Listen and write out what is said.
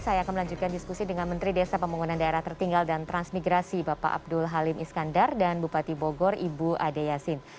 saya akan melanjutkan diskusi dengan menteri desa pembangunan daerah tertinggal dan transmigrasi bapak abdul halim iskandar dan bupati bogor ibu ade yasin